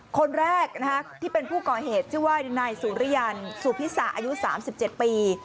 คนแรกที่เป็นผู้ก่อเหตุชื่อว่านายสุริยันสุพิษะอายุ๓๗ปี